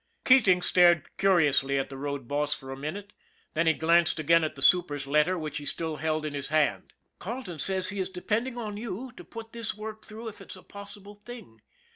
Keating stared curiously at the road boss for a min ute, then he glanced again at the super's letter which he still held in his hand. " Carleton says he is depending on you to put this work through if it's a possible thing.